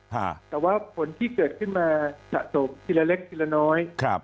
แต่ว่าผลที่เกิดขึ้นมาสะสมทีละเล็กทีละน้อยครับ